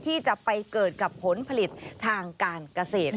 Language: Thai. ที่จะไปเกิดกับผลผลิตทางการเกษตร